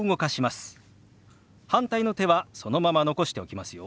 反対の手はそのまま残しておきますよ。